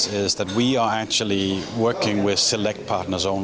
sekarang kita memiliki ekosistem penuh di mana semua orang dapat bergabung